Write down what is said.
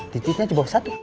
titiknya cuma satu